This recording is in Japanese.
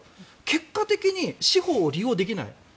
結果的に司法を利用できない。